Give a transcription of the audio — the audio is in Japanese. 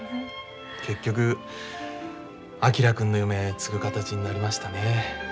結局昭君の夢継ぐ形になりましたね。